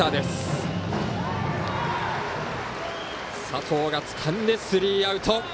佐藤がつかんでスリーアウト。